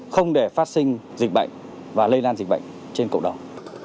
không để phát sinh dịch bệnh và lây lan dịch bệnh trên cộng đồng